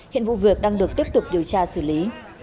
hiện vụ việc đang được tiếp tục điều tra xử lý